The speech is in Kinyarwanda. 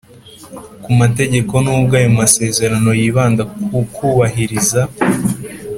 ku mategeko Nubwo ayo masezerano yibanda ku kubahiriza